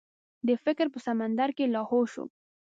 د فکر په سمندر کې لاهو شو.